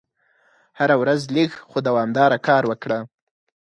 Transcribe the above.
هره ورځ لږ خو دوامداره کار وکړه.